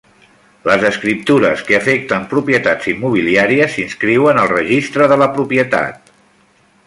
Les escriptures que afecten propietats immobiliàries s'inscriuen al Registre de la Propietat.